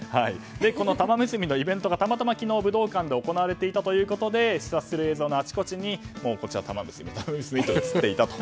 このたまむすびのイベントが昨日、たまたま武道館で行われていたということで視察する映像が、あちこちにたまむすびが映っていたと。